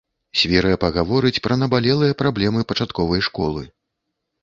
Свірэпа гаворыць пра набалелыя праблемы пачатковай школы.